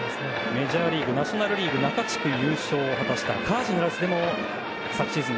メジャーリーグ中地区優勝を果たしたカージナルスでも昨シーズン